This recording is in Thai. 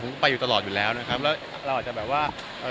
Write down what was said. ผมไปอยู่ตลอดอยู่แล้วนะครับแล้วเราอาจจะแบบว่าเอ่อ